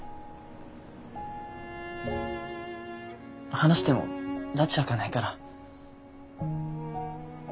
話してもらち明かないから。